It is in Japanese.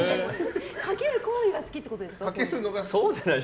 かける行為が好きってことですか？